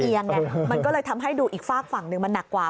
ไงมันก็เลยทำให้ดูอีกฝากฝั่งหนึ่งมันหนักกว่า